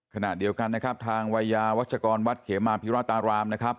ขณะเดียวกันนะครับทางวัยยาวัชกรวัดเขมาพิราตารามนะครับ